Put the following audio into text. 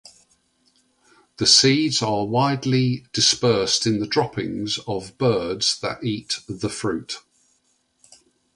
The seeds are widely dispersed in the droppings of birds that eat the fruit.